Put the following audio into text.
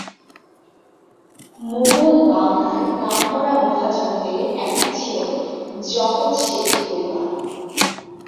মুগল বাংলায় নামকরা মহাজনদের একটি ছিল জগৎ শেঠ পরিবার।